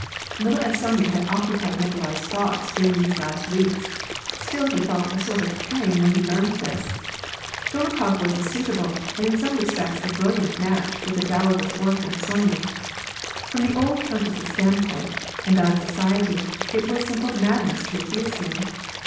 Little as Sonya had occupied Nikolai's thoughts during these last weeks, still he felt a sort of pang when he learned this. Dolokhof was a suitable, and in some respects a bril liant match for the dowerless orphan, Sonya. From the old countess's standpoint, and that of society, it was simple mad ness to refuse him.